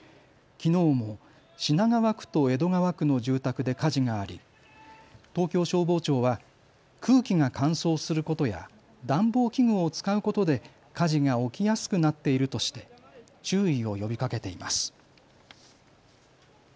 きのうも品川区と江戸川区の住宅で火事があり東京消防庁は空気が乾燥することや暖房器具を使うことで火事が起きやすくなっているとして注意を呼びかけています。